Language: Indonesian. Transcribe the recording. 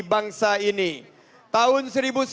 bangsa ini tahun